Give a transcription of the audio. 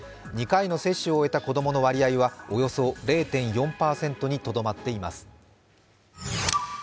２回の接種を終えた子供の割合はおよそ０．４％にとどまっています。